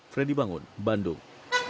freddy bangun bandung